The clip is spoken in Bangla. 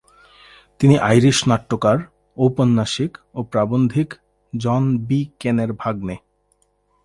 তিনি আইরিশ নাট্যকার, ঔপন্যাসিক ও প্রাবন্ধিক জন বি. কেনের ভাগ্নে।